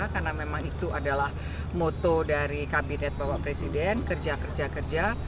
karena memang itu adalah moto dari kabinet bapak presiden kerja kerja kerja